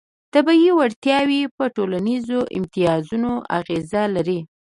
طبیعي وړتیاوې په ټولنیزو امتیازونو اغېز لري.